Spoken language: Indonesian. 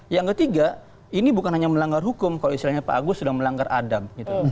yang ketiga ini bukan hanya melanggar hukum kalau istilahnya pak agus sudah melanggar adam